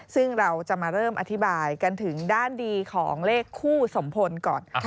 ซึ่งเราจะมาเริ่มอธิบายกันถึงด้านดีของเลขคู่สมพลก่อน